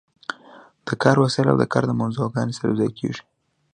د کار وسایل او د کار موضوعګانې سره یوځای کیږي.